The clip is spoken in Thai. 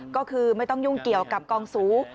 ก็คือไม่ต้องยุ่งเกี่ยวกับกองสู